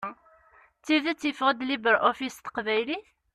D tidet yeffeɣ-d LibreOffice s teqbaylit?